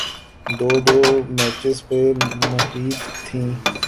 دو دو میچز پہ محیط تھیں۔